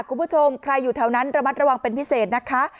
ใครอยู่แถวนั้นระมัดระวังเป็นพิเศษนะคะ